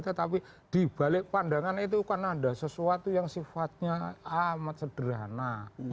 tetapi dibalik pandangan itu kan ada sesuatu yang sifatnya amat sederhana